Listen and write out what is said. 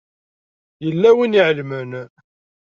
Yella win i iɛelmen.